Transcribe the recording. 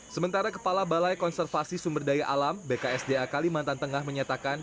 sementara kepala balai konservasi sumber daya alam bksda kalimantan tengah menyatakan